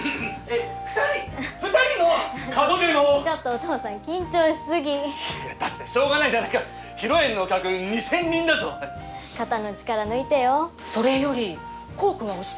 ２人２人の門出のちょっとお父さん緊張しすぎいやだってしょうがないじゃないか披露宴の客２０００人だぞ肩の力抜いてよそれより煌くんはお式に間に合うの？